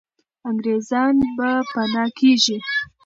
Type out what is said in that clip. انګریزان به پنا کېږي.